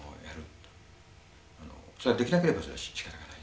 それはできなければそれはしかたがない。